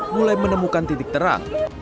mulai menemukan titik terang